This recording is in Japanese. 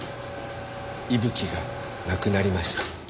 伊吹が亡くなりました。